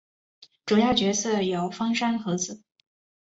主要角色有芳山和子。